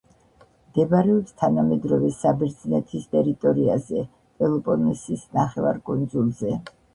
მდებარეობს თანამედროვე საბერძნეთის ტერიტორიაზე, პელოპონესის ნახევარკუნძულზე.